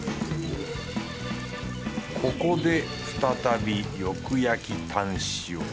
ここで再びよく焼きタンシオ。